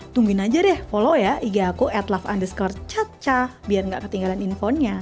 tungguin aja deh follow ya ig aku at love underscore caca biar nggak ketinggalan infonya